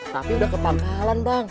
tapi udah ke pangkalan bang